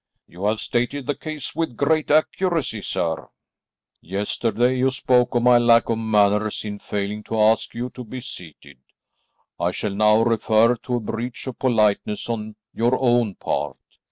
"You have stated the case with great accuracy, sir." "Yesterday you spoke of my lack of manners in failing to ask you to be seated; I shall now refer to a breach of politeness on your own part.